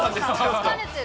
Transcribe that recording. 疲れてる？